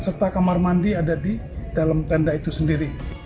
serta kamar mandi ada di dalam tenda itu sendiri